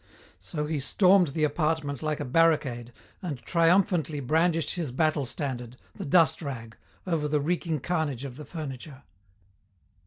So he stormed the apartment like a barricade and triumphantly brandished his battle standard, the dust rag, over the reeking carnage of the furniture.